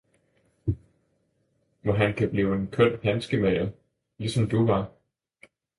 Hvor han kan blive en køn handskemager, ligesom du var!